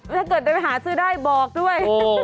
ถ้าเกิดเดินไปหาซื้อได้บอกด้วย